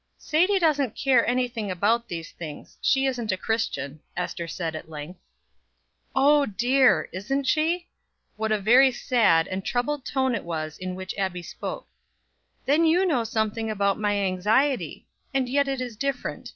"Sadie doesn't care anything about these things, she isn't a Christian," Ester said at length. "Oh, dear! isn't she?" What a very sad and troubled tone it was in which Abbie spoke. "Then you know something of my anxiety; and yet it is different.